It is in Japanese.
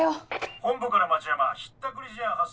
本部から町山ひったくり事案発生。